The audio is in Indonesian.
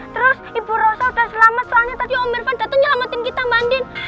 terus ibu rosa udah selamat soalnya tadi om irfan dateng nyelamatin kita mbak andin